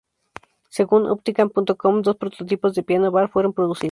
Según optigan.com, dos prototipos de piano bar fueron producidos.